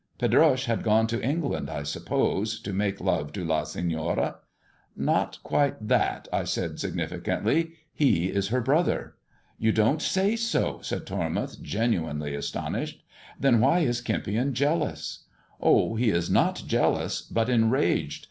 "Pedroche had gone to England, I suppose, to make love to La Seiioral" " Not quite that," I said significantly ;" he is her brother." " You don't say so," said Tormouth, genuinely astonished. " Then why is Kempion jealous 1 "'\" Oh, he is not jealous, but enraged.